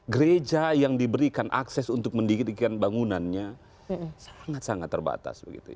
gereja yang diberikan akses untuk mendirikan bangunannya sangat sangat terbatas